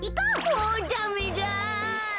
もうダメだ！